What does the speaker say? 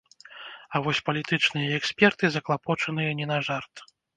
А вось палітычныя эксперты заклапочаныя не на жарт.